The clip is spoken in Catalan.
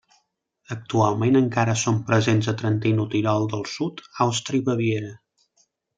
Actualment encara són presents a Trentino-Tirol del Sud, Àustria i Baviera.